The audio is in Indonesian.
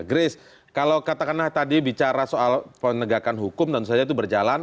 grace kalau katakanlah tadi bicara soal penegakan hukum tentu saja itu berjalan